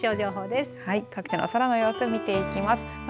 まず各地の空の様子見ていきます。